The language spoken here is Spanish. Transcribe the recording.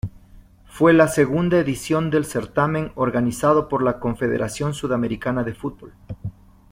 Fue la segunda edición del certamen, organizado por la Confederación Sudamericana de Fútbol.